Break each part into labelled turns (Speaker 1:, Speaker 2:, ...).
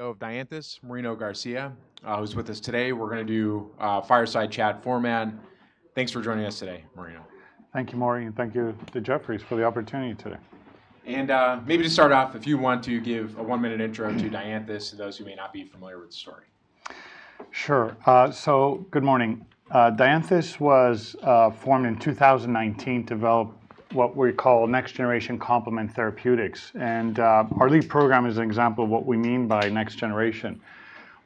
Speaker 1: Dianthus, Marino Garcia, who's with us today. We're going to do a fireside chat format. Thanks for joining us today, Marino.
Speaker 2: Thank you, Maury, and thank you to Jefferies for the opportunity today.
Speaker 1: Maybe to start off, if you want to give a one-minute intro to Dianthus, to those who may not be familiar with the story.
Speaker 2: Sure, so good morning. Dianthus was formed in 2019 to develop what we call next-generation complement therapeutics. Our lead program is an example of what we mean by next generation.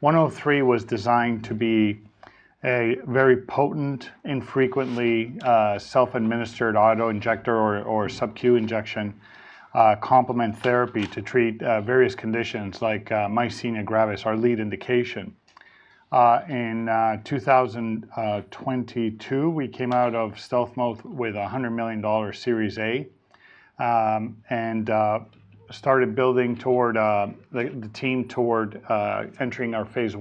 Speaker 2: 103 was designed to be a very potent, infrequently self-administered autoinjector or a subQ injection complement therapy to treat various conditions like myasthenia gravis, our lead indication. In 2022, we came out of stealth mode with a $100 million Series A, and started building the team toward entering our phase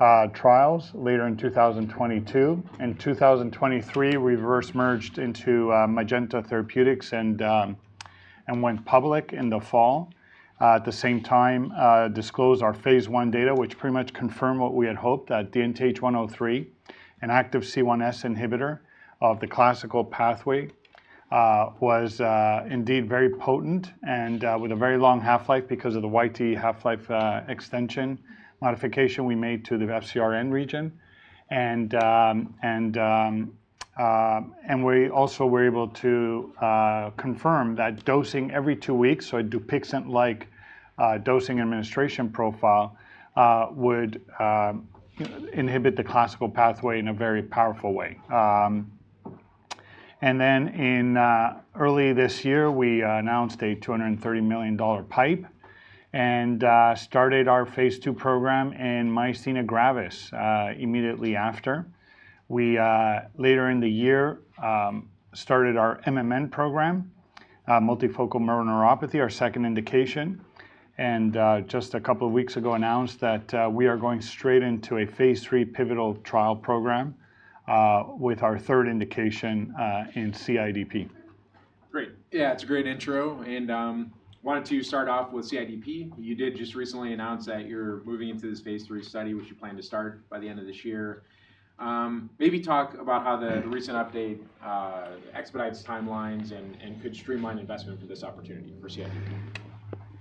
Speaker 2: I trials later in 2022. In 2023, we reverse-merged into Magenta Therapeutics and went public in the fall. At the same time, we disclosed our phase I data, which pretty much confirmed what we had hoped, that DNTH103, an active C1s inhibitor of the classical pathway, was indeed very potent and with a very long half-life because of the YTE half-life extension modification we made to the FcRn region. We also were able to confirm that dosing every two weeks, so a Dupixent-like dosing administration profile would inhibit the classical pathway in a very powerful way. In early this year, we announced a $230 million PIPE, and started our phase II program in myasthenia gravis immediately after. We later in the year started our MMN program, multifocal motor neuropathy, our second indication. Just a couple of weeks ago, we announced that we are going straight into a phase III pivotal trial program with our third indication in CIDP.
Speaker 1: Great. Yeah, it's a great intro. Wanted to start off with CIDP. You did just recently announce that you're moving into this phase III study, which you plan to start by the end of this year. Maybe talk about how the recent update expedites timelines, and could streamline investment for this opportunity for CIDP?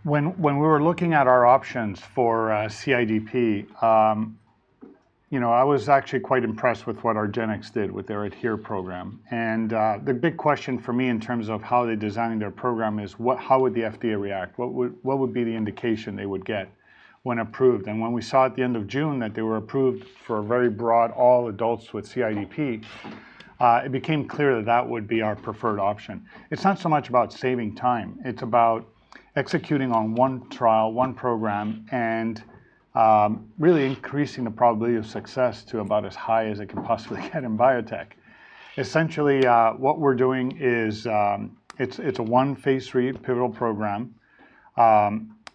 Speaker 2: When we were looking at our options for CIDP, I was actually quite impressed with what Argenx did with their ADHERE program. The big question for me in terms of how they designed their program is, how would the FDA react? What would be the indication they would get when approved? When we saw at the end of June that they were approved for a very broad all adults with CIDP, it became clear that that would be our preferred option. It's not so much about saving time. It's about executing on one trial, one program, and really increasing the probability of success to about as high as it can possibly get in biotech. Essentially, what we're doing is, it's a one phase III pivotal program.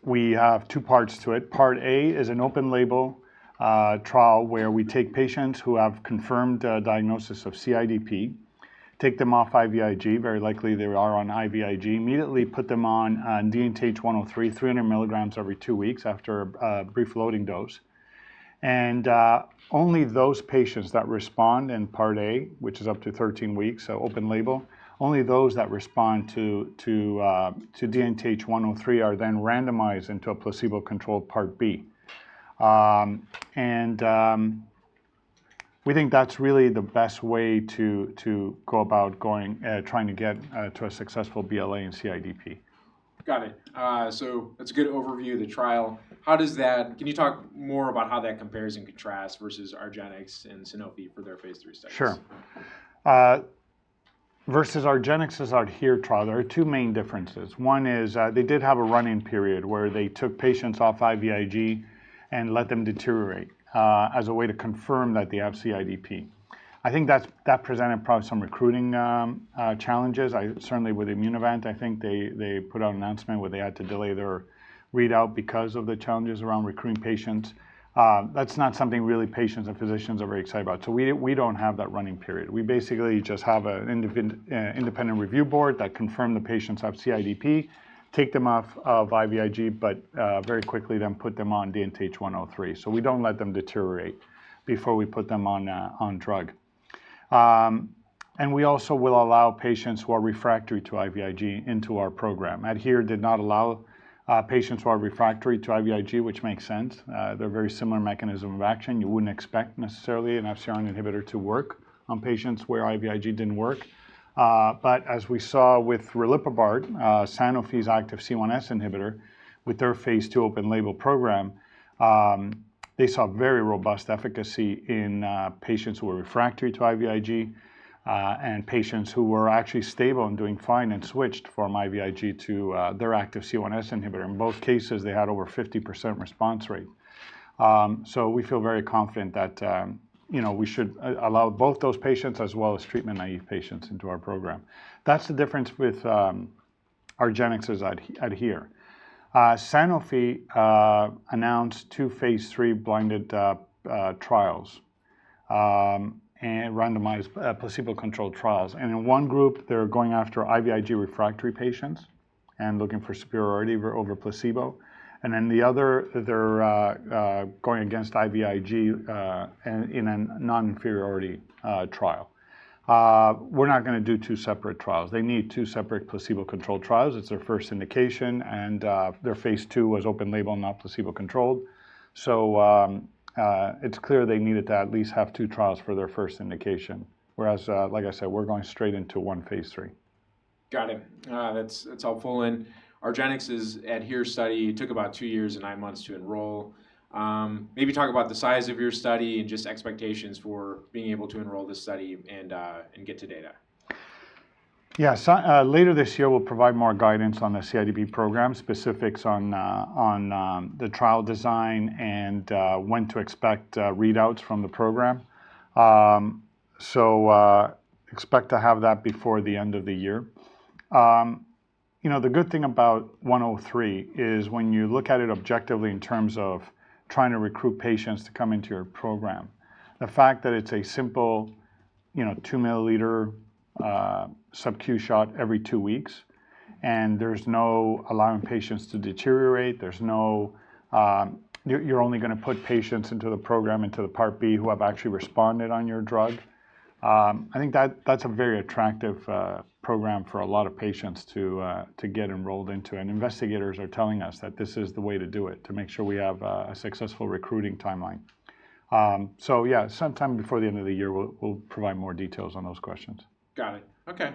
Speaker 2: We have two parts to it. Part A is an open-label trial where we take patients who have confirmed their diagnosis of CIDP, take them off IVIG, very likely they are on IVIG, immediately put them on DNTH103, 300 mg every two weeks after a brief loading dose. Only those patients that respond in part A, which is up to 13 weeks, so open-label, only those that respond to DNTH103 are then randomized into a placebo-controlled part B. We think that's really the best way to go about trying to get to a successful BLA and CIDP.
Speaker 1: Got it, so it's a good overview of the trial. Can you talk more about how that compares and contrasts versus Argenx and Sanofi for their phase III studies?
Speaker 2: Sure. Versus Argenx's ADHERE trial, there are two main differences. One is, they did have a run-in period where they took patients off IVIG and let them deteriorate as a way to confirm that they have CIDP. I think that presented probably some recruiting challenges. Certainly with Immunovant, I think they put out an announcement where they had to delay their readout, because of the challenges around recruiting patients. That's not something really patients and physicians are very excited about, so we don't have that run-in period. We basically just have an independent review board that confirmed the patients have CIDP, take them off of IVIG, but very quickly then put them on DNTH103. We don't let them deteriorate before we put them on drug, and we also will allow patients who are refractory to IVIG into our program. ADHERE did not allow patients who are refractory to IVIG, which makes sense. They have a very similar mechanism of action. You wouldn't expect necessarily an FcRn inhibitor to work on patients where IVIG didn't work, but as we saw with riliprubart, Sanofi's active C1s inhibitor, with their phase II open-label program, they saw a very robust efficacy in patients who were refractory to IVIG and patients who were actually stable and doing fine, and switched from IVIG to their active C1s inhibitor. In both cases, they had over 50% response rate, so we feel very confident that we should allow both those patients as well as treatment-naive patients into our program. That's the difference with our Argenx's ADHERE. Sanofi announced two phase III blinded trials and randomized placebo-controlled trials. In one group, they're going after IVIG refractory patients and looking for superiority over placebo. Then the other, they're going against IVIG in a non-inferiority trial. We're not going to do two separate trials. They need two separate placebo-controlled trials. It's their first indication. Their phase II was open-label and not placebo-controlled, so it's clear they needed to at least have two trials for their first indication. Whereas, like I said, we're going straight into one phase III.
Speaker 1: Got it, that's helpful. Argenx's ADHERE study took about two years and nine months to enroll. Maybe talk about the size of your study, and just expectations for being able to enroll this study and get to data.
Speaker 2: Yeah. Later this year, we'll provide more guidance on the CIDP program, specifics on the trial design and when to expect readouts from the program, so expect to have that before the end of the year. You know, the good thing about 103 is when you look at it objectively in terms of trying to recruit patients to come into your program, the fact that it's a simple 2 ml subcu shot every two weeks. There's no allowing patients to deteriorate, you're only going to put patients into the program, into the Part B who have actually responded on your drug, I think that's a very attractive program for a lot of patients to get enrolled into. Investigators are telling us that this is the way to do it to make sure we have a successful recruiting timeline. Yeah, sometime before the end of the year, we'll provide more details on those questions.
Speaker 1: Got it, okay.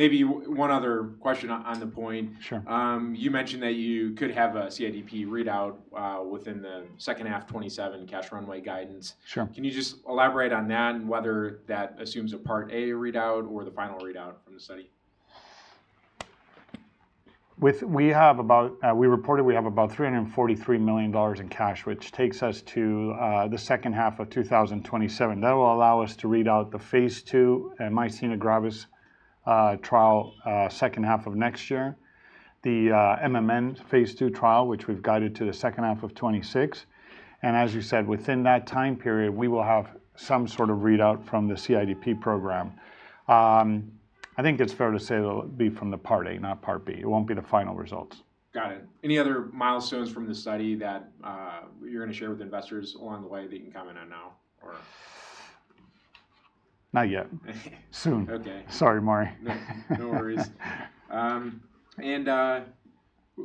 Speaker 1: Maybe one other question on the point. You mentioned that you could have a CIDP readout within the second half, 2027 cash runway guidance. Can you just elaborate on that and whether that assumes a part A readout or the final readout from the study?
Speaker 2: We reported we have about $343 million in cash, which takes us to the second half of 2027. That will allow us to read out the phase II myasthenia gravis trial second half of next year, the MMN phase II trial, which we've guided to the second half of 2026. As you said, within that time period, we will have some sort of readout from the CIDP program. I think it's fair to say it'll be from the part A, not part B. It won't be the final results.
Speaker 1: Got it. Any other milestones from the study that you're going to share with investors along the way that you can comment on now?
Speaker 2: Not yet, soon. Sorry, Maury.
Speaker 1: No worries.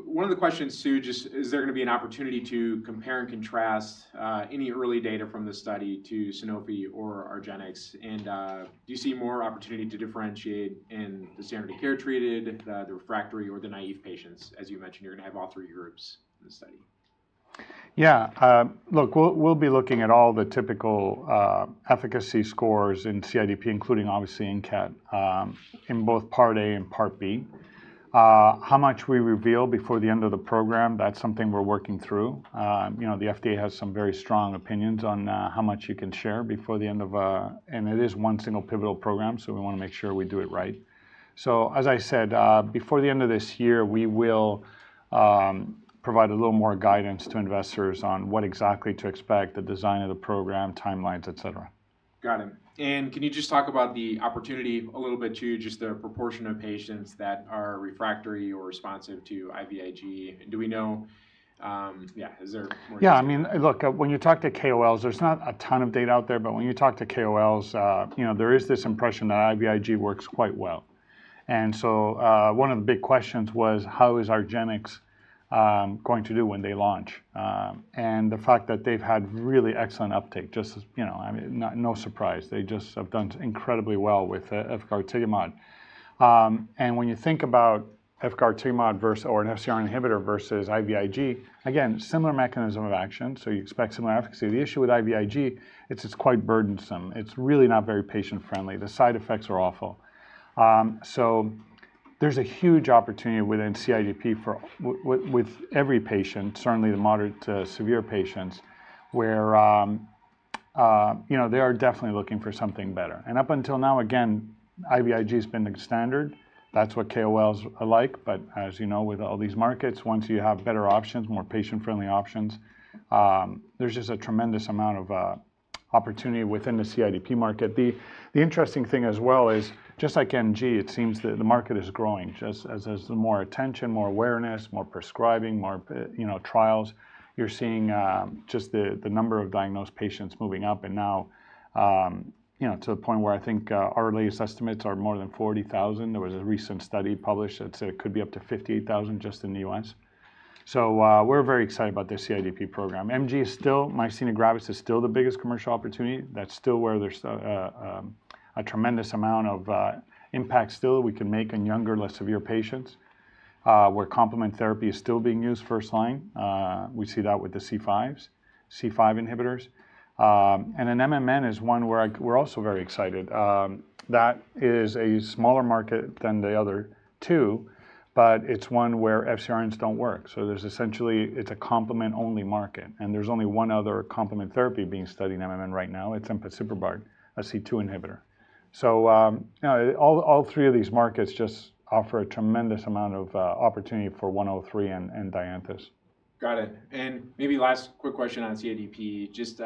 Speaker 1: One of the questions, just, is there going to be an opportunity to compare and contrast any early data from the study to Sanofi or our Argenx? Do you see more opportunity to differentiate in the standard of care treated, the refractory, or the naive patients? As you mentioned, you're going to have all three groups in the study.
Speaker 2: Yeah. Look, we'll be looking at all the typical efficacy scores in CIDP, including obviously INCAT in both part A and part B. How much we reveal before the end of the program, that's something we're working through. The FDA has some very strong opinions on how much you can share and it is one single pivotal program, so we want to make sure we do it right. As I said, before the end of this year, we will provide a little more guidance to investors on what exactly to expect, the design of the program, timelines, etc.
Speaker 1: Got it. Can you just talk about the opportunity a little bit too, just the proportion of patients that are refractory or responsive to IVIG? Yeah, is there more?
Speaker 2: Yeah. I mean, look, there's not a ton of data out there, but when you talk to KOLs, there is this impression that IVIG works quite well. One of the big questions was, how is Argenx going to do when they launch? The fact that they've had really excellent uptake, it's no surprise. They just have done incredibly well with efgartigimod. When you think about efgartigimod versus or an FcRn inhibitor versus IVIG, again, similar mechanism of action, so you expect similar efficacy. The issue with IVIG, is it's quite burdensome. It's really not very patient-friendly. The side effects are awful. There's a huge opportunity within CIDP with every patient, certainly the moderate to severe patients, where they are definitely looking for something better. Up until now, again, IVIG has been the standard. That's what KOLs like. As you know, with all these markets, once you have better options, more patient-friendly options, there's just a tremendous amount of opportunity within the CIDP market. The interesting thing as well is, just like MG, it seems that the market is growing just as there's more attention, more awareness, more prescribing, more trials. You're seeing just the number of diagnosed patients moving up, and now to the point where I think our latest estimates are more than 40,000. There was a recent study published that said it could be up to 58,000 just in the U.S. We're very excited about the CIDP program. Myasthenia gravis is still the biggest commercial opportunity. That's still where there's a tremendous amount of impact still, that we can make in younger, less severe patients, where complement therapy is still being used first line. We see that with the C5 inhibitors, and then MMN is one where we're also very excited. That is a smaller market than the other two, but it's one where FcRNs don't work. Essentially, it's a complement-only market, and there's only one other complement therapy being studied in MMN right now. It's empasiprubart, a C2 inhibitor, so all three of these markets just offer a tremendous amount of opportunity for 103 and Dianthus.
Speaker 1: Got it. Maybe last quick question on CIDP, just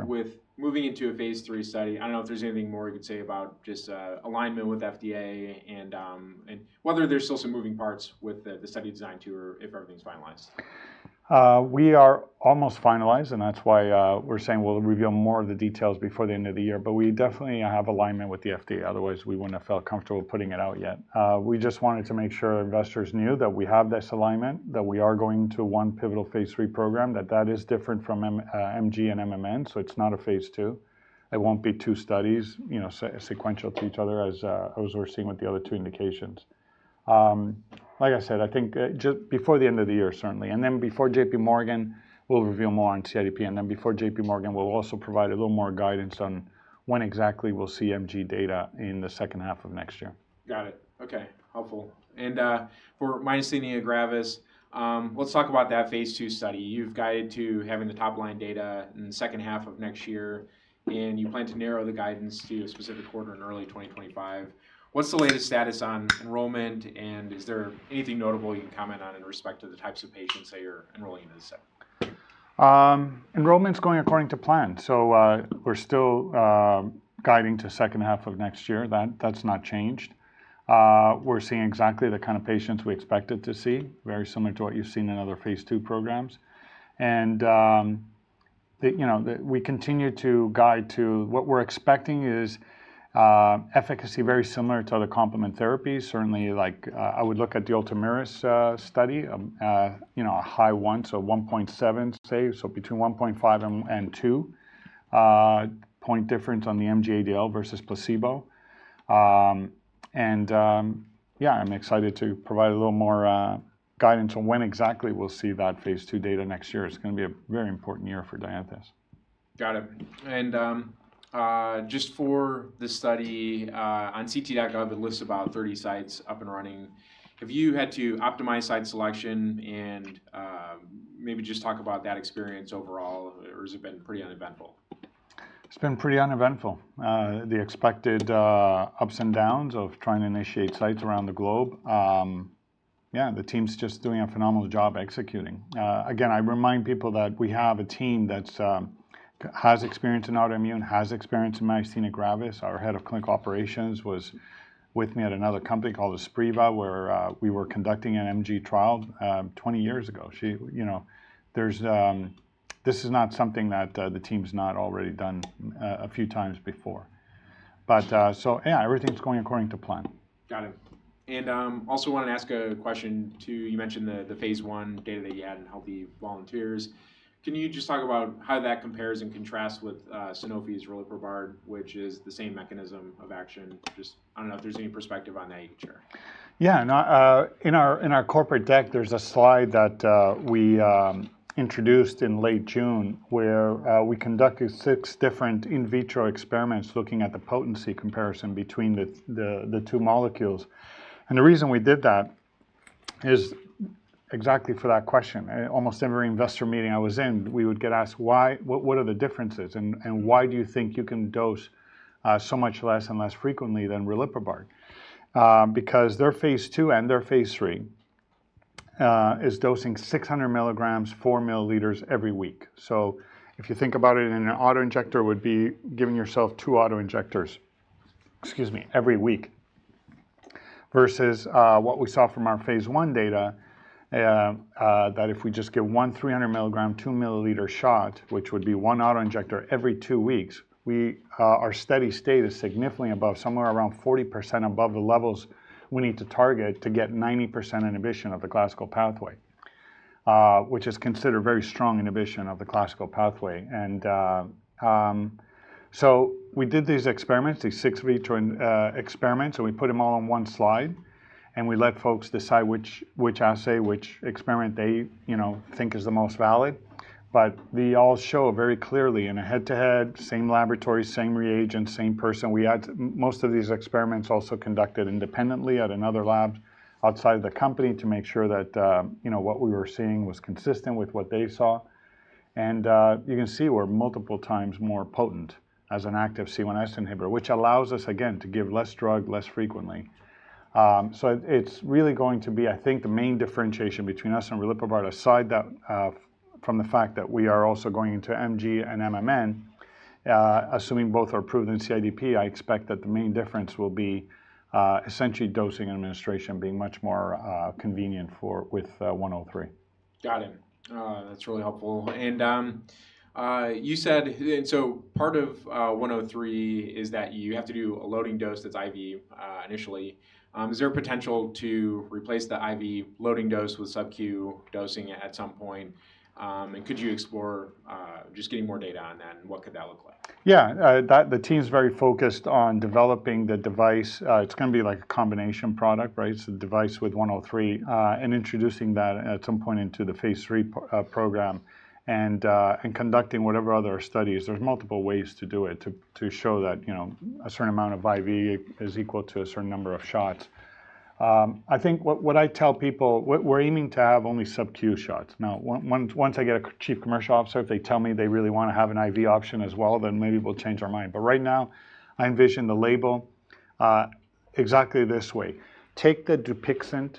Speaker 1: with moving into a phase III study, I don't know if there's anything more you could say about just alignment with FDA, and whether there's still some moving parts with the study design too or if everything's finalized?
Speaker 2: We are almost finalized. That's why we're saying we'll reveal more of the details before the end of the year, but we definitely have alignment with the FDA. Otherwise, we wouldn't have felt comfortable putting it out yet. We just wanted to make sure investors knew that we have this alignment, that we are going to one pivotal phase III program, that that is different from MG and MMN. It's not a phase II. It won't be two studies sequential to each other, as we're seeing with the other two indications. Like I said, I think just before the end of the year, certainly. Then before J.P. Morgan, we'll reveal more on CIDP. Then before J.P. Morgan, we'll also provide a little more guidance on when exactly we'll see MG data in the second half of next year.
Speaker 1: Got it. Okay, helpful. For myasthenia gravis, let's talk about that phase II study. You've guided to having the top-line data in the second half of next year. You plan to narrow the guidance to a specific quarter in early 2025. What's the latest status on enrollment? Is there anything notable you can comment on in respect to the types of patients that you're enrolling into this study?
Speaker 2: Enrollment's going according to plan, so we're still guiding to second half of next year. That's not changed. We're seeing exactly the kind of patients we expected to see, very similar to what you've seen in other phase II programs. We continue to guide to, what we're expecting is efficacy very similar to other complement therapies. Certainly, like I would look at the Ultomiris study, a high one, so 1.7 say, so between 1.5 and 2 point difference on the MG-ADL versus placebo. Yeah, I'm excited to provide a little more guidance on when exactly we'll see that phase II data next year. It's going to be a very important year for Dianthus.
Speaker 1: Got it, and just for the study on ct.gov, it lists about 30 sites up and running. Have you had to optimize site selection and maybe just talk about that experience overall, or has it been pretty uneventful?
Speaker 2: It's been pretty uneventful. The expected ups and downs of trying to initiate sites around the globe. Yeah, the team's just doing a phenomenal job executing. Again, I remind people that we have a team that has experience in autoimmune, has experience in myasthenia gravis. Our head of clinical operations was with me at another company called Aspreva, where we were conducting an MG trial 20 years ago. This is not something that the team's not already done a few times before, but so yeah, everything's going according to plan.
Speaker 1: Got it. Also, wanted to ask a question too. You mentioned the phase I data that you had in healthy volunteers. Can you just talk about how that compares and contrasts with Sanofi's riliprubart, which is the same mechanism of action? Just, I don't know if there's any perspective on that you can share.
Speaker 2: Yeah. In our corporate deck, there's a slide that we introduced in late June, where we conducted six different in vitro experiments looking at the potency comparison between the two molecules. The reason we did that is exactly for that question. Almost every investor meeting I was in, we would get asked, what are the differences and why do you think you can dose so much less and less frequently than riliprubart? Beacuse their phase II and their phase III is dosing 600 mg, 4 ml every week. If you think about it in an auto injector, it would be giving yourself two auto injectors, excuse me, every week versus what we saw from our phase I data, that if we just get one 300 mg, 2 ml shot, which would be one auto injector every two weeks, our steady state is significantly above, somewhere around 40% above the levels we need to target to get 90% inhibition of the classical pathway, which is considered very strong inhibition of the classical pathway. We did these experiments, these in vitro experiments, so we put them all on one slide. We let folks decide which assay, which experiment they think is the most valid, but they all show very clearly in a head-to-head, same laboratory, same reagent, same person. Most of these experiments also conducted independently at another lab outside of the company, to make sure that what we were seeing was consistent with what they saw. You can see we're multiple times more potent as an active C1s inhibitor, which allows us again to give less drug less frequently. It's really going to be I think the main differentiation between us and riliprubart, aside from the fact that we are also going into MG and MMN, assuming both are proven CIDP. I expect that the main difference will be essentially dosing and administration being much more convenient with 103.
Speaker 1: Got it, that's really helpful. You said, and so part of 103 is that you have to do a loading dose that's IV initially. Is there a potential to replace the IV loading dose with subQ dosing at some point? Could you explore just getting more data on that and what could that look like?
Speaker 2: Yeah. The team's very focused on developing the device. It's going to be like a combination product, right? It's a device with 103, and introducing that at some point into the phase III program and conducting whatever other studies. There's multiple ways to do it, to show that a certain amount of IV is equal to a certain number of shots. I think what I tell people, we're aiming to have only subQ shots. Now, once I get a chief commercial officer, if they tell me they really want to have an IV option as well, then maybe we'll change our mind. Right now, I envision the label exactly this way. Take the Dupixent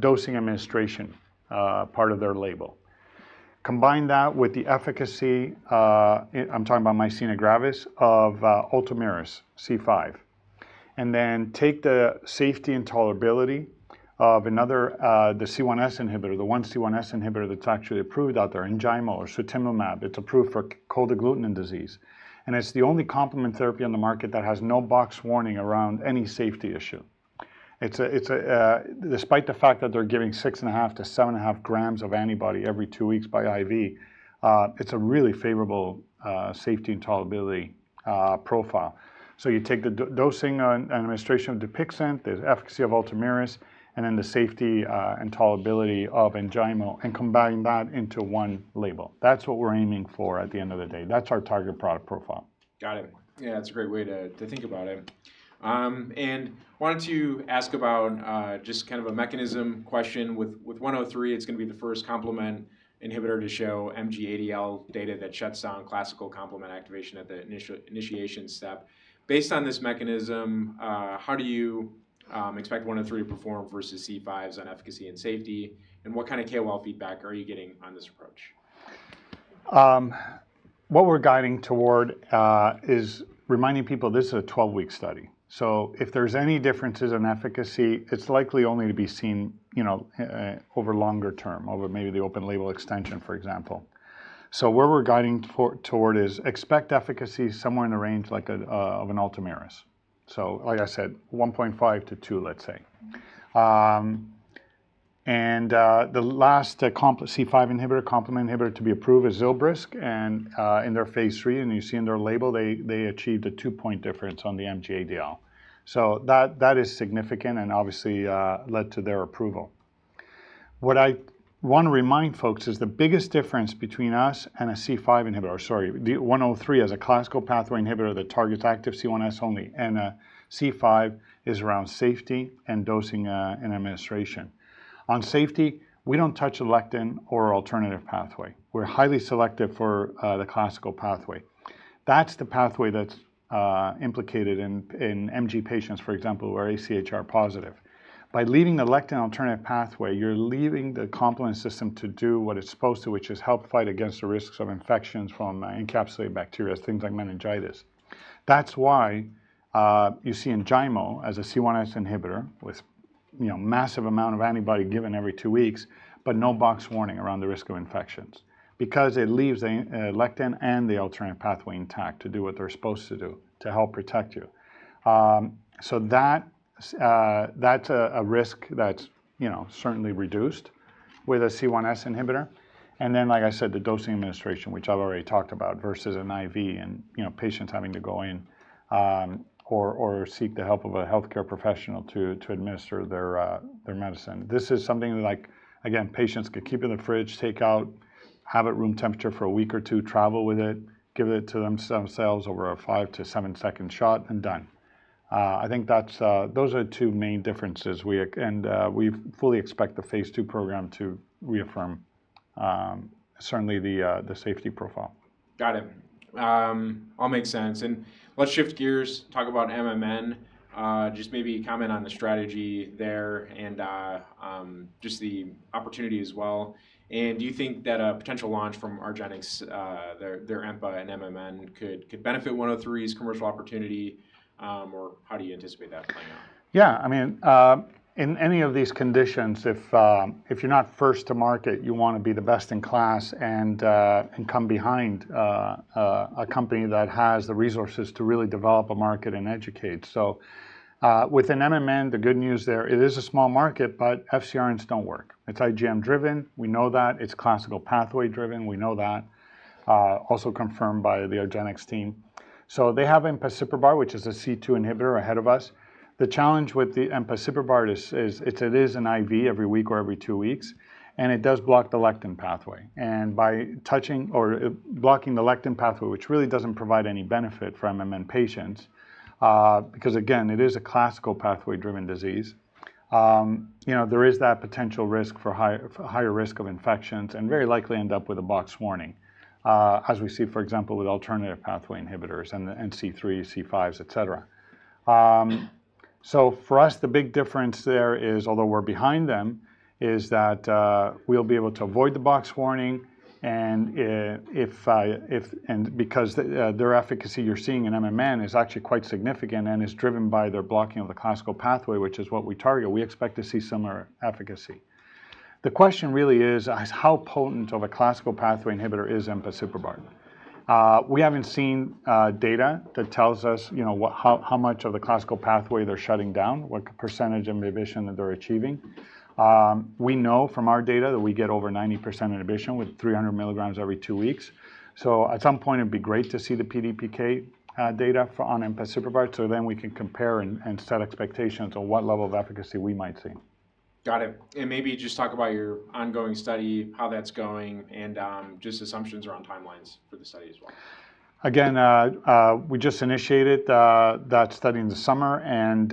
Speaker 2: dosing administration part of their label. Combine that with the efficacy, I'm talking about myasthenia gravis, of Ultomiris, C5. Then take the safety and tolerability of another, the C1s inhibitor, the one C1s inhibitor that's actually approved out there, Enjaymo or sutimlimab. It's approved for cold agglutinin disease. It's the only complement therapy on the market that has no box warning around any safety issue. Despite the fact that they're giving 6.5 g-7.5 g of antibody every two weeks by IV, it's a really favorable safety and tolerability profile. You take the dosing and administration of Dupixent, the efficacy of Ultomiris, and then the safety and tolerability of Enjaymo and combine that into one label. That's what we're aiming for at the end of the day. That's our target product profile.
Speaker 1: Got it. Yeah, that's a great way to think about it. I wanted to ask about just kind of a mechanism question. With 103, it's going to be the first complement inhibitor to show MG-ADL data that shuts down classical complement activation at the initiation step. Based on this mechanism, how do you expect 103 to perform versus C5s on efficacy and safety? What kind of KOL feedback are you getting on this approach?
Speaker 2: What we're guiding toward is reminding people, this is a 12-week study. If there's any differences in efficacy, it's likely only to be seen over longer term, over maybe the open-label extension, for example. Where we're guiding toward is, expect efficacy somewhere in the range like of an Ultomiris, so like I said, 1.5-2, let's say. The last C5 inhibitor, complement inhibitor to be approved is Zilbrisk. In their phase III, and you see in their label, they achieved a two-point difference on the MG-ADL, so that is significant and obviously led to their approval. What I want to remind folks, is the biggest difference between us and a C5 inhibitor, or sorry, 103 as a classical pathway inhibitor that targets active C1s only, and a C5 is around safety and dosing and administration. On safety, we don't touch a lectin or alternative pathway. We're highly selective for the classical pathway. That's the pathway that's implicated in MG patients, for example, who are AChR positive. By leaving the lectin or alternative pathway, you're leaving the complement system to do what it's supposed to, which is help fight against the risks of infections from encapsulated bacteria, things like meningitis. That's why you see Enjaymo as a C1s inhibitor with a massive amount of antibody given every two weeks, but no box warning around the risk of infections because it leaves the lectin, and the alternative pathway intact to do what they're supposed to do, to help protect you. That's a risk that's certainly reduced with a C1s inhibitor. Then like I said, the dosing administration, which I've already talked about versus an IV and patients having to go in, or seek the help of a healthcare professional to administer their medicine. This is something like again, patients can keep it in the fridge, take out, have it room temperature for a week or two, travel with it, give it to themselves over a five to seven second shot, and done. I think those are two main differences. We fully expect the phase II program to reaffirm certainly the safety profile.
Speaker 1: Got it, all makes sense. Let's shift gears, talk about MMN, just maybe comment on the strategy there and just the opportunity as well. Do you think that a potential launch from Argenx, their EMPA and MMN could benefit 103's commercial opportunity, or how do you anticipate that playing out?
Speaker 2: Yeah. I mean, in any of these conditions, if you're not first to market, you want to be the best in class and come behind a company that has the resources to really develop a market and educate. Within MMN, the good news there, it is a small market, but FcRNs don't work. It's IgM driven. We know that. It's classical pathway-driven. We know that, also confirmed by the Argenx team. They have Empasiprubart, which is a C2 inhibitor ahead of us. The challenge with the Empasiprubart is, it is an IV every week or every two weeks, and it does block the lectin pathway. By touching or blocking the lectin pathway, which really doesn't provide any benefit for MMN patients, because again, it is a classical pathway-driven disease, there is that potential risk for higher risk of infections and very likely end up with a box warning, as we see, for example, with alternative pathway inhibitors and C3, C5s, etc. For us, the big difference there is, although we're behind them, is that we'll be able to avoid the box warning. Because their efficacy you're seeing in MMN is actually quite significant and is driven by their blocking of the classical pathway, which is what we target, we expect to see similar efficacy. The question really is, how potent of a classical pathway inhibitor is Empasiprubart? We haven't seen data that tells us how much of the classical pathway they're shutting down, what percentage of inhibition that they're achieving. We know from our data that we get over 90% inhibition with 300 mg every two weeks. At some point, it'd be great to see the PK/PD data on Empasiprubart, so then we can compare and set expectations on what level of efficacy we might see.
Speaker 1: Got it. Maybe just talk about your ongoing study, how that's going, and just assumptions around timelines for the study as well.
Speaker 2: Again, we just initiated that study in the summer, and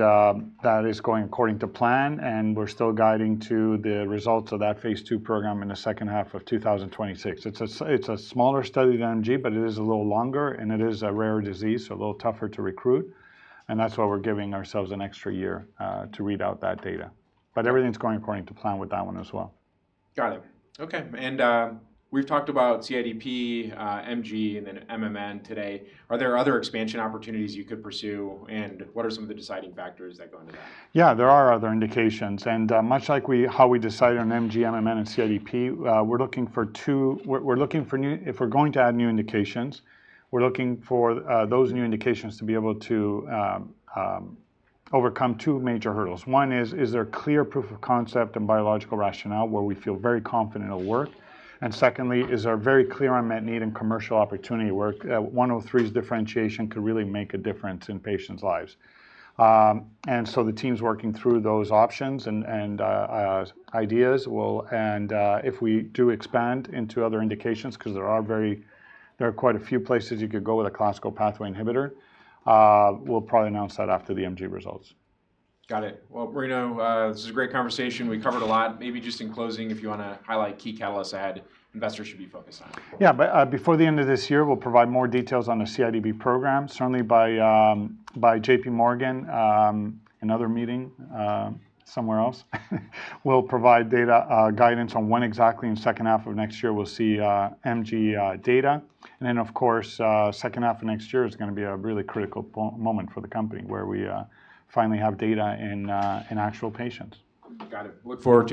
Speaker 2: that is going according to plan. We're still guiding to the results of that phase II program in the second half of 2026. It's a smaller study than MG, but it is a little longer and it is a rare disease, so a little tougher to recruit. That's why we're giving ourselves an extra year to read out that data, but everything's going according to plan with that one as well.
Speaker 1: Got it, okay. We've talked about CIDP, MG, and then MMN today. Are there other expansion opportunities you could pursue, and what are some of the deciding factors that go into that?
Speaker 2: Yeah, there are other indications. Much like how we decide on MG, MMN, and CIDP, if we're going to add new indications, we're looking for those new indications to be able to overcome two major hurdles. One is, is there clear proof of concept and biological rationale where we feel very confident it'll work? Secondly, is there a very clear unmet need and commercial opportunity where 103's differentiation could really make a difference in patients' lives? The team's working through those options and ideas. If we do expand into other indications, because there are quite a few places you could go with a classical pathway inhibitor, we'll probably announce that after the MG results.
Speaker 1: Got it. Marino, this is a great conversation. We covered a lot. Maybe just in closing, if you want to highlight key catalysts that investors should be focused on.
Speaker 2: Yeah, before the end of this year, we'll provide more details on the CIDP program. Certainly, by J.P. Morgan and other meetings somewhere else, we'll provide data guidance on when exactly in the second half of next year we'll see MG data. Then of course, second half of next year is going to be a really critical moment for the company, where we finally have data in actual patients.
Speaker 1: Got it, look forward to it.